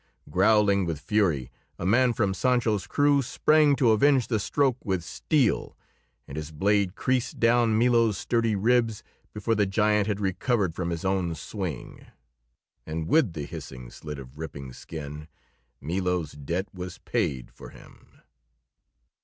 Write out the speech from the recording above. Growling with fury, a man from Sancho's crew sprang to avenge the stroke with steel, and his blade creased down Milo's sturdy ribs before the giant had recovered from his own swing. And with the hissing slit of ripping skin Milo's debt was paid for him.